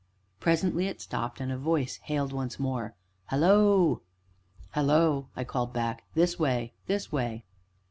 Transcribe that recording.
Presently it stopped, and a voice hailed once more: "Hallo!" "Hallo!" I called back; "this way this way!"